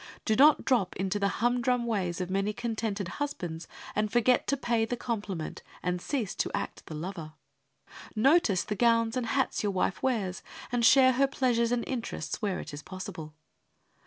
Do not drop into the humdrum ways of many contented husbands, and forget to pay the compliment, and cease to act the lover. Notice the gowns and hats your wife wears, and share her pleasures and interests when it is possible.